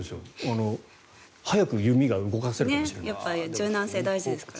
速く指が動かせるかもしれない。